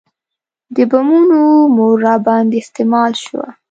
د بمونو مور راباندې استعمال شوه.